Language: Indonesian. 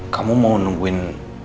kamu mau nungguin